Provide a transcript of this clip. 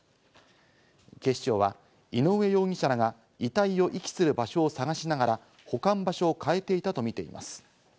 警視庁は、井上容疑者が遺体を遺棄する場所を探しながら、保管場所を変えていたとみています。